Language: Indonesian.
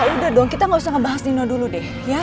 udah dong kita gak usah ngebahas nino dulu deh